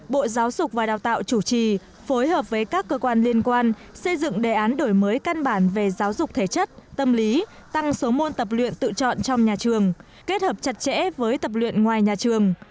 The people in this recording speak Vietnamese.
bộ giáo dục và đào tạo chủ trì phối hợp với các cơ quan liên quan xây dựng đề án đổi mới căn bản về giáo dục thể chất tâm lý tăng số môn tập luyện tự chọn trong nhà trường kết hợp chặt chẽ với tập luyện ngoài nhà trường